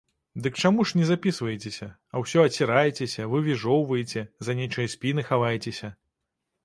Дык чаму ж не запісваецеся, а ўсе аціраецеся, вывіжоўваеце, за нечыя спіны хаваецеся?